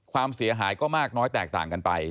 ความเสียหายก็มากน้อยแตกต่างกันไป